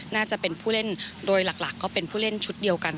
น่าจะเป็นผู้เล่นโดยหลักก็เป็นผู้เล่นชุดเดียวกัน